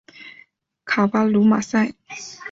卡巴卢马塞。